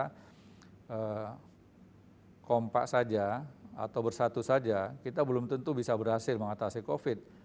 karena kompak saja atau bersatu saja kita belum tentu bisa berhasil mengatasi covid